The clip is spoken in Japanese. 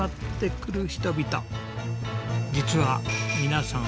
実は皆さん